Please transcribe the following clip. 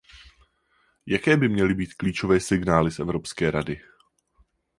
Jaké by měly být klíčové signály z Evropské rady?